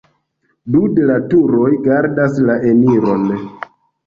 Du de la turoj gardas la eniron.